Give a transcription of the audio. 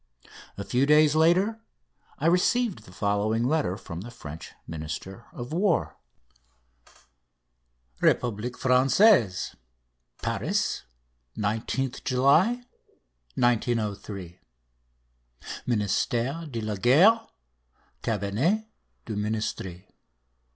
A few days later I received the following letter from the French Minister of War: REPUBLIQUE FRANÇAISE, PARIS, le 19 Juillet 1903. MINISTERE DE LA GUERRE, CABINET DU MINISTRE.